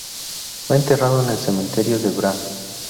Fue enterrado en el cementerio de Bra.